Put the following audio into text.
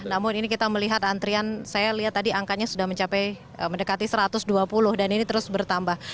namun ini kita melihat antrian saya lihat tadi angkanya sudah mencapai mendekati satu ratus dua puluh dan ini terus bertambah